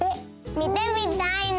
見てみたいな。